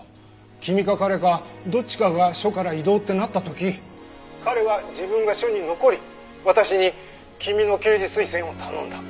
君か彼かどっちかが署から異動ってなった時彼は自分が署に残り私に君の刑事推薦を頼んだ。